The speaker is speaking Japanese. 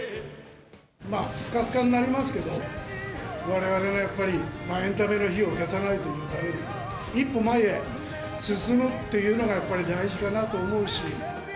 すかすかになりますけど、われわれはやっぱり、エンタメの灯を消さないというためにも、一歩前へ進むっていうのが、これ大事かなと思うし。